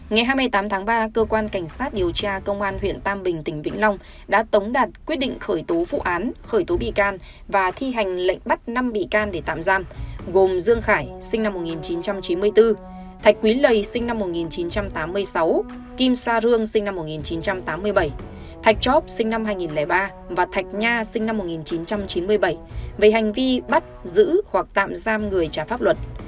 ngày hai mươi tám tháng ba cơ quan cảnh sát điều tra công an huyện tam bình tỉnh vĩnh long đã tống đặt quyết định khởi tố phụ án khởi tố bị can và thi hành lệnh bắt năm bị can để tạm giam gồm dương khải sinh năm một nghìn chín trăm chín mươi bốn thạch quý lầy sinh năm một nghìn chín trăm tám mươi sáu kim sa rương sinh năm một nghìn chín trăm tám mươi bảy thạch chóp sinh năm hai nghìn ba và thạch nha sinh năm một nghìn chín trăm chín mươi bảy về hành vi bắt giữ hoặc tạm giam người trả pháp luật